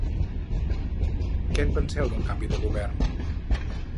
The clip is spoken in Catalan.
Què en penseu del canvi de govern?